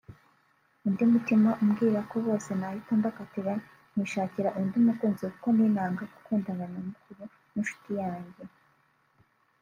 Undi mutima umbwira ko bose nahita mbakatira nkishakira undi mukunzi kuko ninanga gukundana na mukuru w’inshuti yanjye